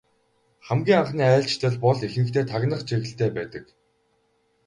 Хамгийн анхны айлчлал бол ихэнхдээ тагнах чиглэлтэй байдаг.